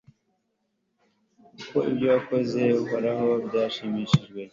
kuko ibyo wakoze, uhoraho, byanshimishije